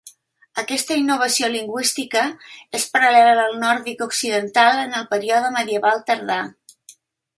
Aquesta innovació lingüística és paral·lela al nòrdic occidental en el període Medieval tardà.